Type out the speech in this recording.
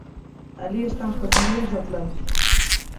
Alí están as cociñeiras do Atlántico.